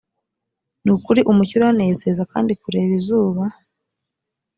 ni ukuri umucyo uranezeza kandi kureba izuba